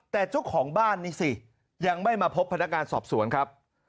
แต่เจ้าของบ้านนี่สิยังไม่มาพบพนักงานสอบสวนครับ